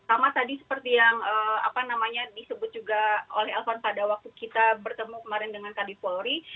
sama tadi seperti yang disebut juga oleh elvan pada waktu kita bertemu kemarin dengan tadi polri